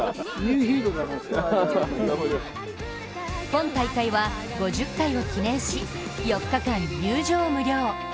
本大会は５０回を記念し、４日間入場無料。